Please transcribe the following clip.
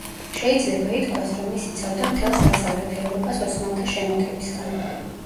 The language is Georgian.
შეიძლება ითქვას, რომ ის იცავდა მთელს დასავლეთ ევროპას ოსმალთა შემოტევისგან.